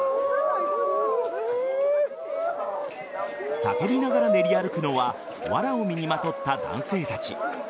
叫びながら練り歩くのはわらを身にまとった男性たち。